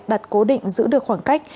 đặt cố định giữ được khoảng cách